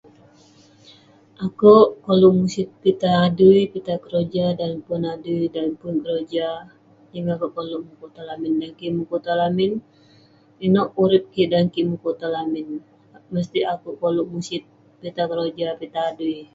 Akouk koluk musit pitah adui pitah keroja. Dan neh pun adui, dan neh pun keroja. Yeng akouk koluk mukuk tong lamin. Dan kik mukuk tong lamin, inouk urip kik dan kik mukuk tong lamin. Mestik akouk koluk musit, pitah keroja pitah adui.